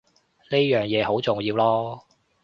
呢樣嘢好重要囉